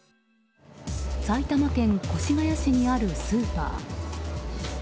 埼玉県越谷市にあるスーパー。